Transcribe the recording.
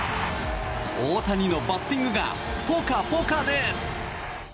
大谷のバッティングがポカポカです。